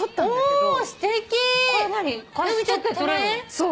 そう。